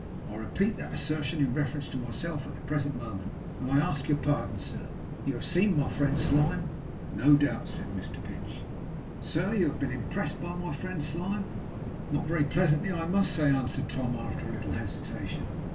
I repeat that assertion in reference to myself at the present moment; and I ask your pardon. Sir, you have seen my friend Slyme?' 'No doubt,' said Mr Pinch. 'Sir, you have been impressed by my friend Slyme?' 'Not very pleasantly, I must say,' answered Tom, after a little hesitation.